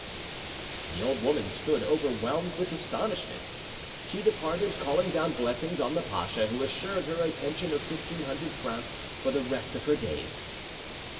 The old woman stood overwhelmed with astonishment. She departed calling down blessings on the pasha, who assured her a pension of fifteen hundred francs for the rest of her days.